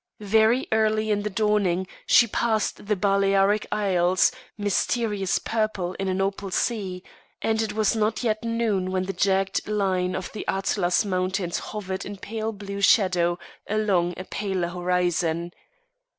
Very early in the dawning she passed the Balearic Isles, mysterious purple in an opal sea, and it was not yet noon when the jagged line of the Atlas Mountains hovered in pale blue shadow along a paler horizon.